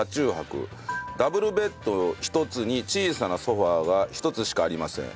ダブルベッド１つに小さなソファが１つしかありません。